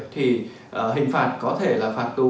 thì hình phạt có thể là phạt tù